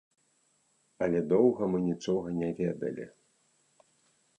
Але доўга мы нічога не ведалі.